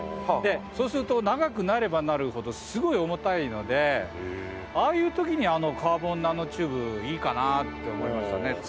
でそうすると長くなればなるほどすごい重たいのでああいう時にあのカーボンナノチューブいいかなって思いましたね。